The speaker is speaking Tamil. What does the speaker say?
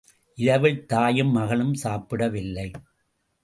இரவில் தாயும், மகளும் சாப்பிடவில்லை.